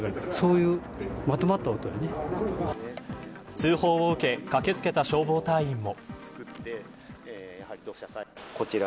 通報を受け駆け付けた消防隊員も。